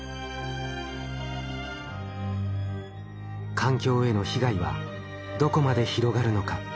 環境への被害はどこまで広がるのか。